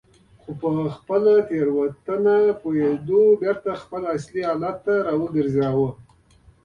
خو په خپلې تېروتنې پوهېدو یې بېرته خپل اصلي حالت ته راوګرځاوه.